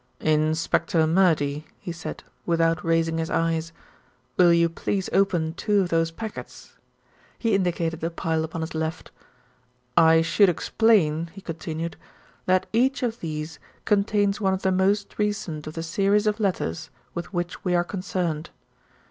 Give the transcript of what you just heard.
"Inspector Murdy," he said, without raising his eyes, "will you please open two of those packets?" He indicated the pile upon his left. "I should explain," he continued, "that each of these contains one of the most recent of the series of letters with which we are concerned.